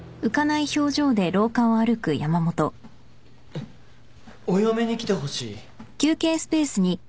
・えっお嫁に来てほしい？